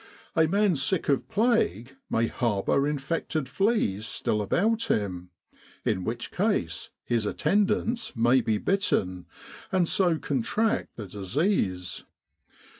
A man sick of plague may harbour infected fleas still about him ; in which case his attendants may be bitten, and so contract the disease.